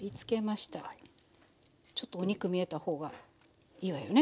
ちょっとお肉見えた方がいいわよね？